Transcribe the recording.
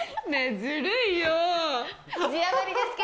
ずるいよ。